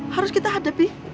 harus kita hadapi